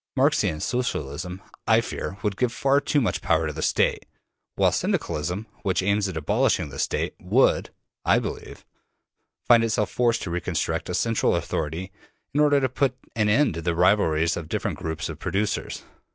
Marxian Socialism, I fear, would give far too much power to the State, while Syndicalism, which aims at abolishing the State, would, I believe, find itself forced to reconstruct a central authority in order to put an end to the rivalries of different groups of producers.